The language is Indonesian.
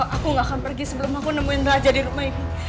aku gak akan pergi sebelum aku nemuin raja di rumah ini